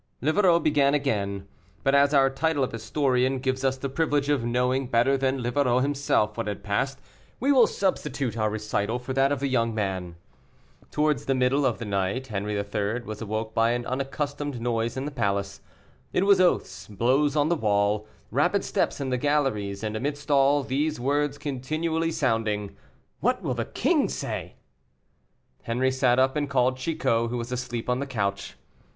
Livarot began again, but as our title of historian gives us the privilege of knowing better than Livarot himself what had passed, we will substitute our recital for that of the young man. Towards the middle of the night Henri III. was awoke by an unaccustomed noise in the palace. It was oaths, blows on the wall, rapid steps in the galleries, and, amidst all, these words continually sounding, "What will the king say?" Henri sat up and called Chicot, who was asleep on the couch.